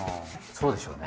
そうでしょうね。